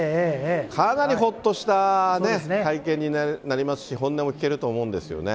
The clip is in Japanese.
かなりほっとしたね、会見になりますし、本音も聞けると思うんですよね。